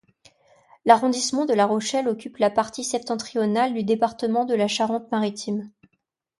L'arrondissement de la Rochelle occupe la partie septentrionale du département de la Charente-Maritime.